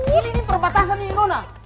ih ini perbatasan ini nona